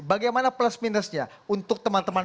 bagaimana plus minusnya untuk teman teman